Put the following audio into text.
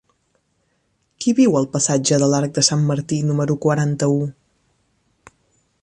Qui viu al passatge de l'Arc de Sant Martí número quaranta-u?